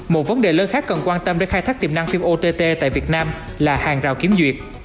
một vấn đề lớn khác cần quan tâm đến khai thác tiềm năng phim ott tại việt nam là hàng rào kiểm duyệt